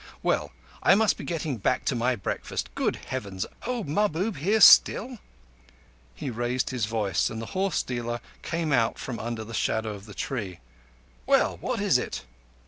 Well, I must be getting back to my breakfast. Good Heavens! Old Mahbub here still?" He raised his voice, and the horse dealer came out from under the shadow of the tree, "Well, what is it?"